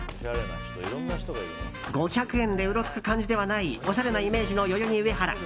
５００円でうろつく感じではないおしゃれなイメージの代々木上原。